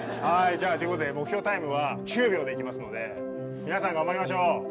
はいじゃあということで目標タイムは９秒でいきますので皆さん頑張りましょう。